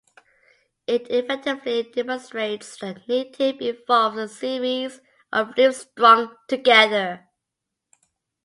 It effectively demonstrates that knitting involves a series of loops strung together.